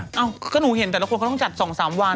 อ้าวก็แต่เห็นตัวคนก็ต้องจัด๒๓วัน